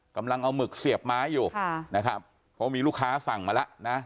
กำลังเอาหมึกเสียบไม้อยู่ค่ะนะครับเพราะมีลูกค้าสั่งมาแล้วนะ